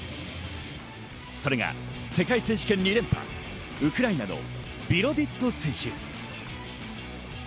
それが世界選手権２連覇、ウクライナのビロディッド選手。